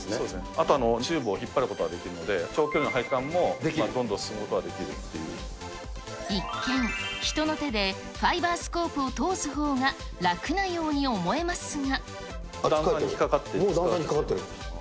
あと、チューブを引っ張ることができるので、長距離の配管もどんどん進むことができるってい一見、人の手でファイバースコープを通すほうが楽なように思えますが。